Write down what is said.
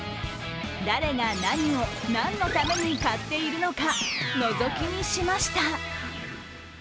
誰が何を何のために買っているのかのぞき見しました。